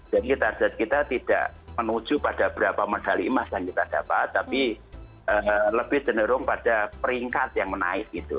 jadi target kita tidak menuju pada berapa medali emas yang kita dapat tapi lebih jenurung pada peringkat yang menaik gitu